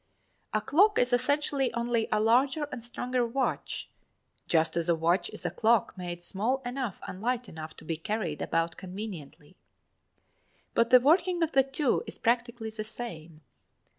A clock is essentially only a larger and stronger watch, just as a watch is a clock made small enough and light enough to be carried about conveniently. But the working of the two is practically the same.